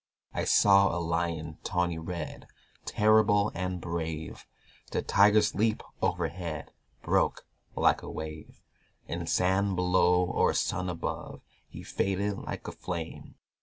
I saw a Lion tawny red, Terrible and brave; The Tiger's leap overhead Broke like a wave. In sand below or sun above He faded like a flame.